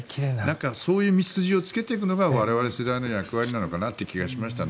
そういう道筋をつけていくのが我々世代の役割かなという気がしました。